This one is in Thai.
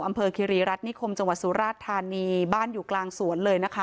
คิรีรัฐนิคมจังหวัดสุราชธานีบ้านอยู่กลางสวนเลยนะคะ